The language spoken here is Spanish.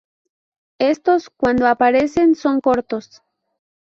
Estos, cuando aparecen, son cortos.